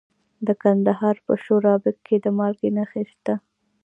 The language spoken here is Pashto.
د کندهار په شورابک کې د مالګې نښې شته.